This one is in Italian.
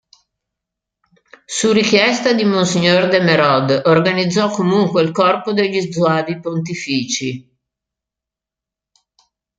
Su richiesta di monsignor de Mérode organizzò comunque il corpo degli Zuavi pontifici.